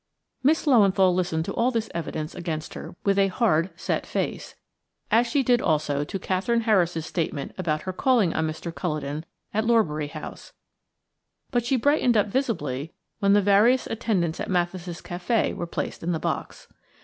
Miss Löwenthal listened to all this evidence against her with a hard, set face, as she did also to Katherine Harris's statement about her calling on Mr. Culledon at Lorbury House, but she brightened up visibly when the various attendants at Mathis' café were placed in the box.